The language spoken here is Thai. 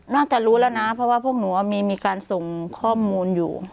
น่าจะรู้แล้วนะเพราะว่าพวกหนูมีการส่งข้อมูลอยู่